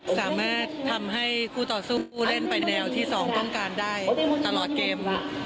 สามารถทำให้คู่ต่อสู้ผู้เล่นไปแนวที่๒ต้องการได้ตลอดเกม